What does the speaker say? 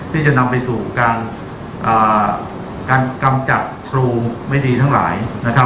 ที่จะนำไปสู่การกำจัดครูไม่ดีทั้งหลายนะครับ